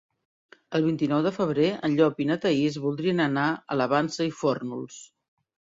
El vint-i-nou de febrer en Llop i na Thaís voldrien anar a la Vansa i Fórnols.